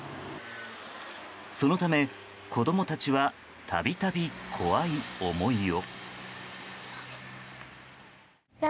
そのため、子供たちは度々怖い思いを。